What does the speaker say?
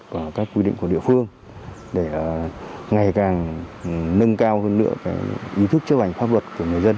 và các quy định của địa phương để ngày càng nâng cao hơn nữa ý thức chấp hành pháp luật của người dân